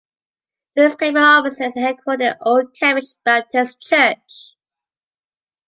The newspaper offices are headquartered in the Old Cambridge Baptist Church.